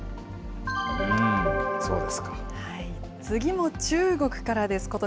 次も中国からです。